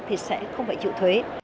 thì sẽ không phải chịu thuế